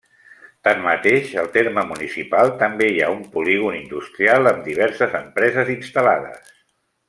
Tanmateix, al terme municipal també hi ha un polígon industrial amb diverses empreses instal·lades.